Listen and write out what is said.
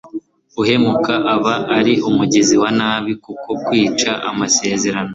uhemuka aba ari umugizi wa nabi kuko kwica amasezerano